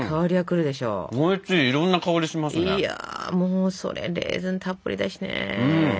いやそれレーズンたっぷりだしね。